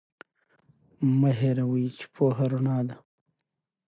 مه هیروئ چې پوهه رڼا ده.